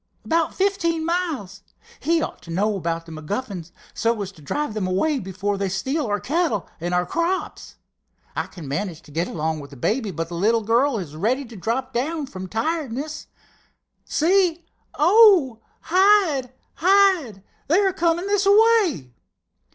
"About fifteen miles. He ought to know about the MacGuffins, so as to drive them away before they steal our cattle and crops. I can manage to get along with the baby, but the little girl is ready to drop down from tiredness. See, oh, hide! hide! They are coming this way!"